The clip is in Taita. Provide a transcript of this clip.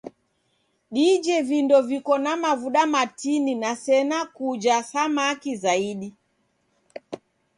Dije vindo viko na mavuda matini na sena kuja samaki zaidi.